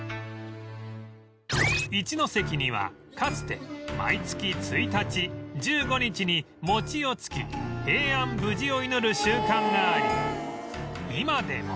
一関にはかつて毎月１日１５日に餅をつき平安無事を祈る習慣があり今でも